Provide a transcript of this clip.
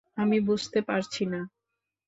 আমি বুঝতে পারছি না!